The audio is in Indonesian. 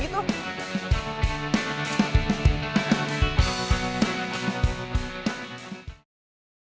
buat archetyping arma atau apa lagi yuk